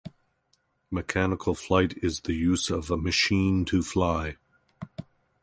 Mechanical flight is the use of a machine to fly.